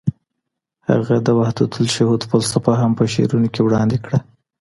هغه د وحدت الشهود فلسفه هم په شعرونو کې وړاندې کړه.